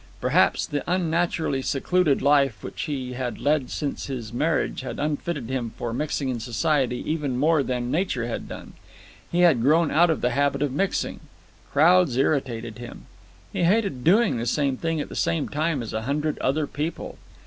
Perhaps the unnaturally secluded life which he had led since his marriage had unfitted him for mixing in society even more than nature had done. He had grown out of the habit of mixing. Crowds irritated him. He hated doing the same thing at the same time as a hundred other people.